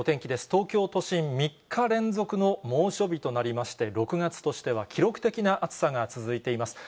東京都心、３日連続の猛暑日となりまして、６月としては記録的な暑さが続いています。